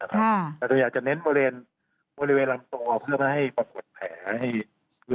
แต่ตัวนี้อยากจะเน้นอาทางบริเวณลำตัวเพื่อไม่ให้ปรากฎแผล